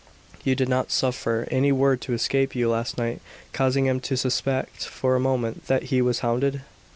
"You did not suffer any word to escape you last night causing him to suspect for a moment that he was hounded?"